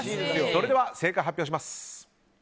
それでは正解発表です。